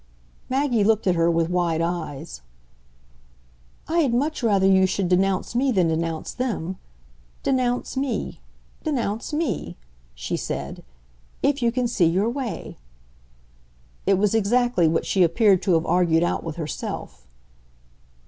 Maggie looked at her with wide eyes. "I had much rather you should denounce me than denounce them. Denounce me, denounce me," she said, "if you can see your way." It was exactly what she appeared to have argued out with herself.